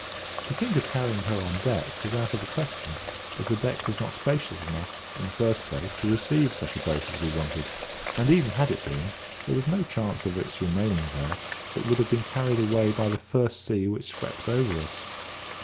To think of carrying her on deck was out of the question, as the deck was not spacious enough, in the first place, to receive such a boat as we wanted; and even had it been, there was no chance of its remaining there; it would have been carried away by the first sea which swept over us.